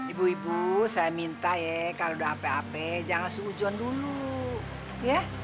ibu ibu saya minta ya kalau udah ape ape jangan suhu john dulu ya